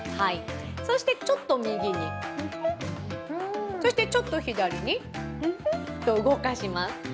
そしてちょっと右に、そしてちょっと左に動かします。